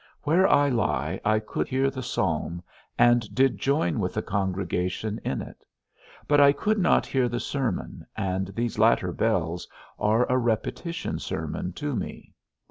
Where I lie I could hear the psalm, and did join with the congregation in it; but I could not hear the sermon, and these latter bells are a repetition sermon to me.